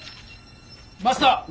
マスター。